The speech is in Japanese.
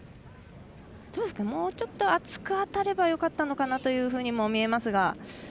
もうちょっと厚く当たればよかったのかなというふうにも見えますが。